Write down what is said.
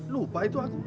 lupa itu aku